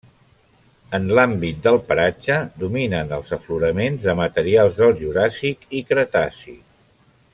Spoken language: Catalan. En l'àmbit del paratge dominen els afloraments de materials del Juràssic i cretaci.